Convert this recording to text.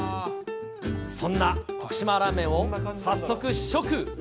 そんな徳島ラーメンを早速試食。